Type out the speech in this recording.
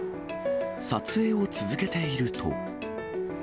撮影を続けていると。